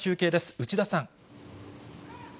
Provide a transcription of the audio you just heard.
内田さん。